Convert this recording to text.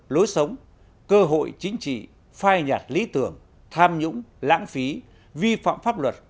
lối sống cơ hội chính trị phai nhạt lý tưởng tham nhũng lãng phí vi phạm pháp luật